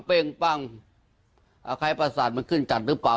เป้งปั้งคล้ายประสาทมันขึ้นจัดหรือเปล่า